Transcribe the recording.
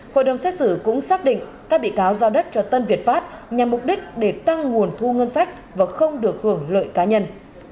hội đồng xét xử cũng xác định các bị cáo giao đất cho tân việt pháp nhằm mục đích để tăng nguồn thu ngân sách và không được hưởng lợi cá nhân